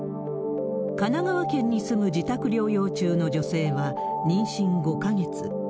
神奈川県に住む自宅療養中の女性は妊娠５か月。